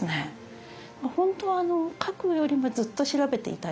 本当は書くよりもずっと調べていたいんですけど。